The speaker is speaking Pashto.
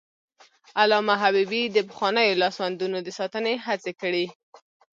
علامه حبيبي د پخوانیو لاسوندونو د ساتنې هڅې کړي.